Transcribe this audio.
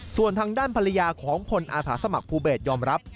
ส่วนทางด้านภรรยาของพลอาสาสมัครภูเบศยอมรับ